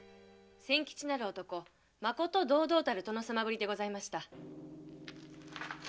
千吉なる男まこと堂々たる殿様ぶりでございました。